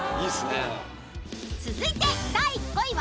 ［続いて第５位は］